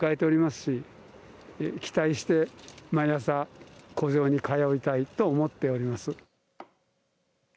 寒い朝を迎えていますし期待して毎朝湖上に通いたいと思っております。